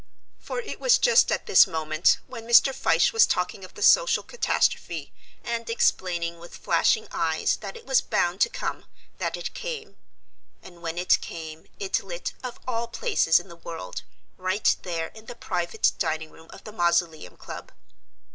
For it was just at this moment, when Mr. Fyshe was talking of the social catastrophe and explaining with flashing eyes that it was bound to come, that it came; and when it came it lit, of all places in the world, right there in the private dining room of the Mausoleum Club.